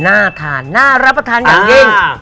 น่าทานน่ารับประทานการกิน